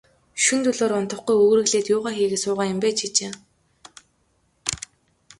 Шөнө дөлөөр унтахгүй, үүрэглээд юугаа хийгээд суугаа юм бэ, чи чинь.